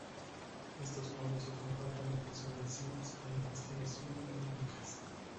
Estos fondos se comparten entre subvenciones a la investigación y de becas.